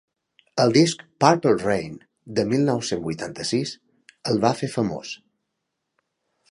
El disc ‘Purple Rain’, del mil nou-cents vuitanta-sis, el va fer famós.